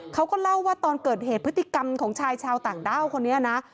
เขาก็เล่าว่าตอนเกิดเหตุพฤติกรรมของชายชาวต่างด้าวคนนี้นะ